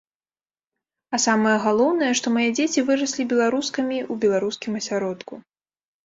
А самае галоўнае, што мае дзеці выраслі беларускамі ў беларускім асяродку.